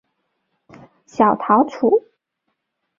小桃纻